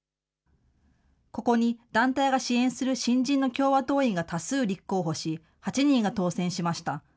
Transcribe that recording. ここに団体が支援する新人の共和党員が多数立候補し、８人が当選しました。